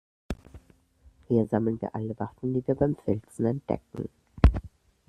Hier sammeln wir alle Waffen, die wir beim Filzen entdecken.